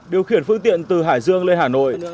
điều khiển phương tiện từ hải dương lên hà nội